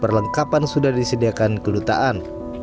perlengkapan sudah disediakan kedutaan